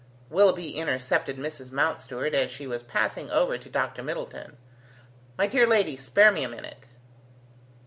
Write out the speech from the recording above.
Willoughby intercepted Mrs. Mountstuart as she was passing over to Dr Middleton. "My dear lady! spare me a minute."